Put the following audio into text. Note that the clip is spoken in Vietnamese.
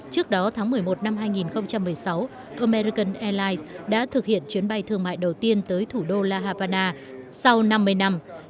trước đó tháng một mươi một năm hai nghìn một mươi sáu omerican airlines đã thực hiện chuyến bay thương mại đầu tiên tới thủ đô la habana sau năm mươi năm